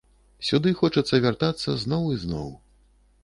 Сюды хочацца вяртацца зноў і зноў.